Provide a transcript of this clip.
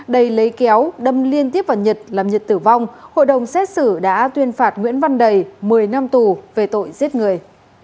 đây lấy kéo đâm liên tiếp vào nhật làm nhật tử vong hội đồng xét xử đã tuyên phạt nguyễn văn đầy một mươi năm tù về tội giết người